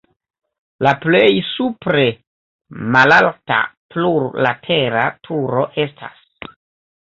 La plej supre malalta plurlatera turo estas.